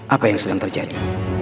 apa yang sedang terjadi